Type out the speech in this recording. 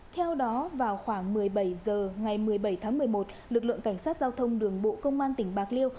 theo đó vào khoảng một mươi bảy h ngày một mươi bảy tháng một mươi một lực lượng cảnh sát giao thông đường bộ công an tỉnh bạc liêu